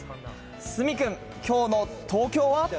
角君、きょうの東京は？